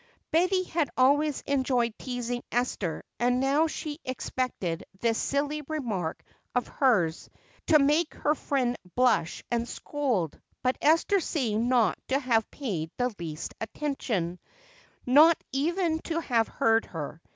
Betty had always enjoyed teasing Esther and now she expected this silly remark of hers to make her friend blush and scold, but Esther seemed not to have paid the least attention, not even to have heard her.